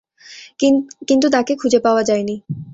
কিন্তু তাকে খুঁজে পাওয়া যায়নি।